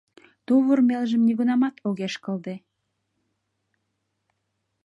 Тувыр мелжым нигунамат огеш кылде.